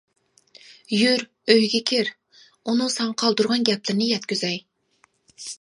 يۈر ئۆيگە كىر، ئۇنىڭ ساڭا قالدۇرغان گەپلىرىنى يەتكۈزەي.